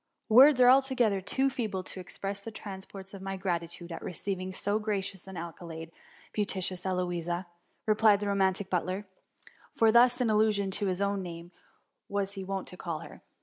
'Words are altogether too feeble to express the transports of my gratitude at receiving so gracious an accolade, beauteous Eloisa,'* replied the romantic butler; for thus, in allusion to his own name, was he wont to call her.